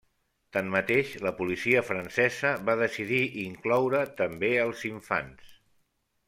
Tanmateix, la policia francesa va decidir incloure també als infants.